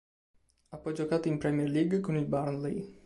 Ha poi giocato in Premier League con il Burnley.